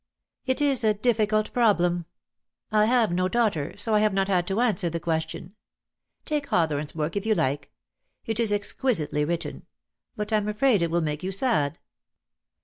"It is a difficult problem. I have no daughter, 28 DEAD LOVE HAS CHAINS. SO I have not had to answer the question. Take Hawthorne's book, if you like. It is exquisitely written; but I'm afraid it will make you sad."